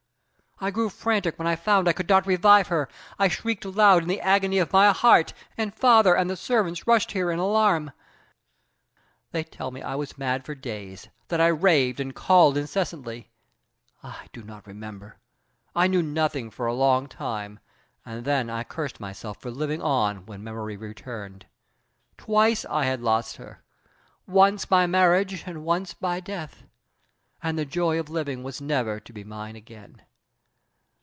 I grew frantic when I found I could not revive her; I shrieked aloud in the agony of my heart, and father and the servants rushed here in alarm. They tell me I was mad for days; that I raved and called incessantly. I do not remember. I knew nothing for a long time, and then I cursed myself for living on when memory returned. Twice I had lost her once by marriage and once by death and the joy of living was never to be mine again.